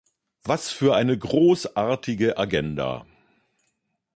Was für eine großartige Agenda!